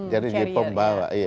jadi jadi pembawa